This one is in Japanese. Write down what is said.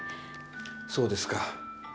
そうですか。